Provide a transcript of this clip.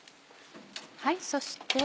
そして。